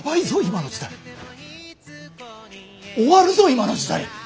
終わるぞ今の時代。